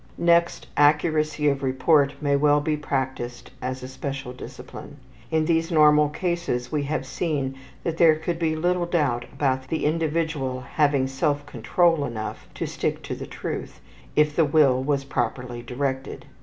Next, accuracy of report may well be practiced as a special discipline. In these normal cases we have seen that there could be little doubt about the individual having self control enough to stick to the truth, if the will was properly directed.